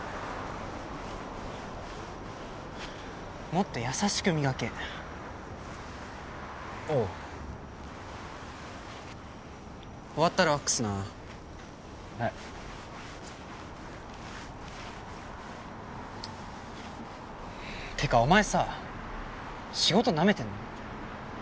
もっと優しく磨けおう終わったらワックスなはいってかお前さ仕事なめてんの？